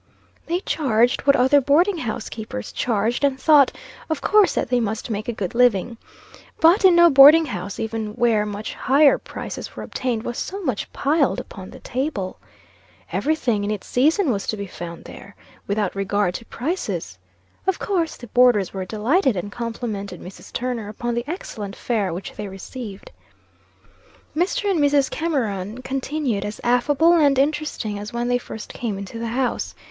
They charged what other boarding house keepers charged, and thought, of course, that they must make a good living. But in no boarding house, even where much higher prices were obtained, was so much piled upon the table. Every thing, in its season, was to be found there, without regard to prices. Of course, the boarders were delighted, and complimented Mrs. Turner upon the excellent fare which they received. Mr. and Mrs. Cameron continued as affable and interesting as when they first came into the house.